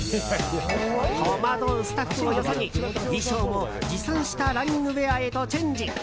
戸惑うスタッフをよそに衣装も持参したランニングウェアへとチェンジ。